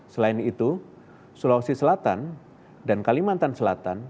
selain itu sulawesi selatan dan kalimantan selatan